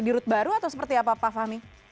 di rut baru atau seperti apa pak fahmi